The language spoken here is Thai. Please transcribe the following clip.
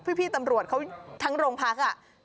พี่ตำรวจเขาทั้งโรงพัก